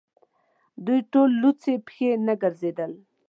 دوی ټول لڅې پښې نه ګرځېدل.